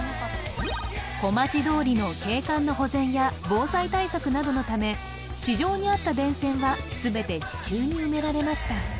小町通りの景観の保全や防災対策などのため地上にあった電線は全て地中に埋められました